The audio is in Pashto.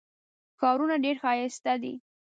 ښارونه ډېر ښایسته دي.